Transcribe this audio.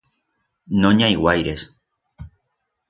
No n'i hai guaires.